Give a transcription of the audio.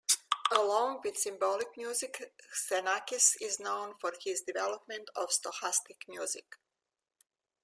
Along with symbolic music, Xenakis is known for his development of stochastic music.